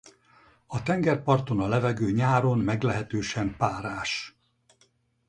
A tengerparton a levegő nyáron meglehetősen párás.